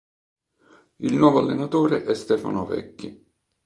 Il nuovo allenatore è Stefano Vecchi.